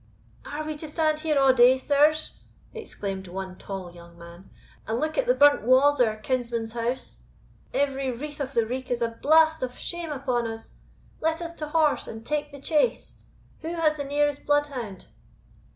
"Are we to stand here a' day, sirs," exclaimed one tall young man, "and look at the burnt wa's of our kinsman's house? Every wreath of the reek is a blast of shame upon us! Let us to horse, and take the chase. Who has the nearest bloodhound?"